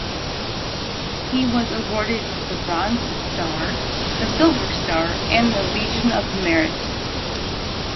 He was awarded the Bronze Star, the Silver Star and the Legion of Merit.